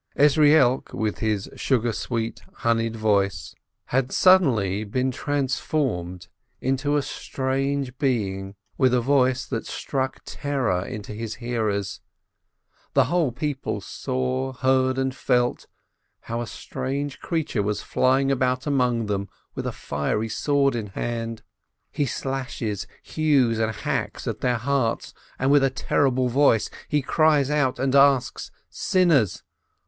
Ezrielk, with his sugar sweet, honeyed voice, had suddenly been trans EZRIELK THE SCEIBE 231 formed into a strange being, with a voice that struck terror into his hearers; the whole people saw, heard, and felt, how a strange creature was flying about among them with a fiery sword in his hand. He slashes, hews, and hacks at their hearts, and with a terrible voice he cries out and asks : "Sinners